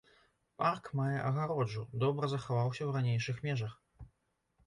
Парк мае агароджу, добра захаваўся ў ранейшых межах.